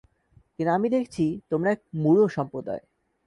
কিন্তু আমি দেখছি, তোমরা এক মূঢ় সম্প্রদায়।